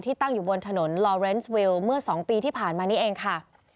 ตั้งอยู่บนถนนลอเรนสวิลเมื่อ๒ปีที่ผ่านมานี้เองค่ะ